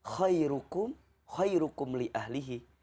khairukum khairukum li ahlihi